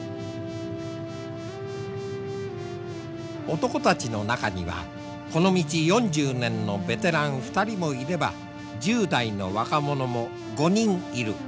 男たちの中にはこの道４０年のベテラン２人もいれば１０代の若者も５人いる。